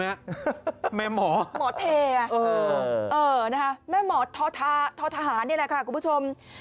แม่หมอแม่หมอเทร่ะแม่หมอทภาคทธหารเนี่ยแหละค่ะคุณผู้ชม